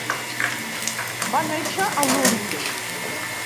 Va néixer a Lund.